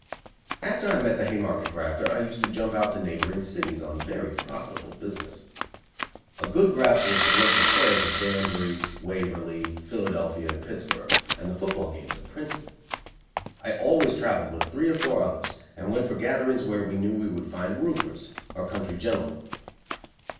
After I met the Haymarket grafter I used to jump out to neighboring cities on very profitable business. A good graft was to work the fairs at Danbury, Waverly, Philadelphia and Pittsburg, and the foot ball games at Princeton. I always travelled with three or four others, and went for gatherings where we knew we would find "roofers," or country gentlemen.